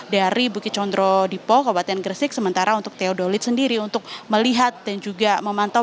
dari bukit condro dipo kabupaten gresik sementara untuk teodolit sendiri untuk melihat dan juga memantau